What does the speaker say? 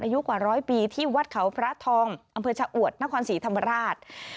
อายุกว่าร้อยปีที่วัดเขาพระทองอำเภอชะอวดนครศรีธรรมราช